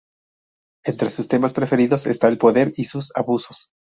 Entre sus temas preferidos está el poder y sus abusos.